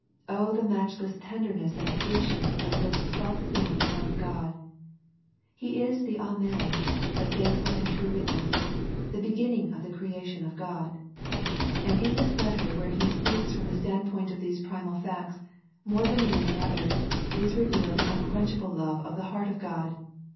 Oh, the matchless ten derness and patience of this selfsame Son of God. He is the Amen, the faithful and true Witness, the Beginning of the creation of God, and in this letter where He speaks from the standpoint of these primal facts, more than in any other, is revealed the unquenchable love of the heart of God.